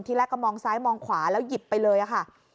แรกก็มองซ้ายมองขวาแล้วหยิบไปเลยค่ะ